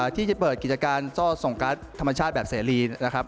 ที่จะเปิดกิจการซ่อส่งก๊าสธรรมชาติแบบเศรี